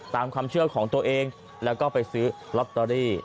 ตามความเชื่อของตัวเองแล้วก็ไปซื้อลอตเตอรี่